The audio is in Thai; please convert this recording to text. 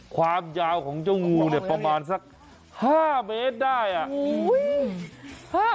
ความยาวของเจ้างูเนี่ยประมาณสัก๕เมตรได้อ่ะ